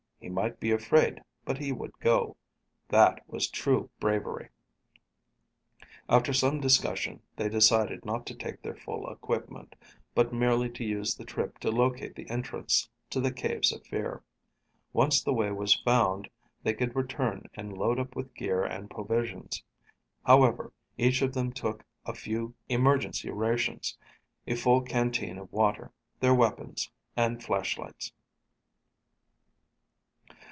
He might be afraid, but he would go. That was true bravery. After some discussion, they decided not to take their full equipment, but merely to use the trip to locate the entrance to the Caves of Fear. Once the way was found, they could return and load up with gear and provisions. However, each of them took a few emergency rations, a full canteen of water, their weapons, and flashlights.